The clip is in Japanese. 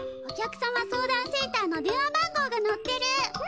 お客様相談センターの電話番号がのってる。